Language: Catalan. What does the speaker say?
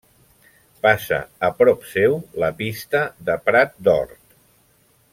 Passa a prop seu la Pista de Prat d'Hort.